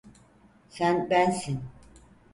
Sen bensin.